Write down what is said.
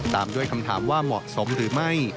ตามด้วยคำถามว่าเหมาะสมหรือไม่